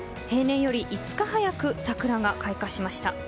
平年より５日早く桜が開花しました。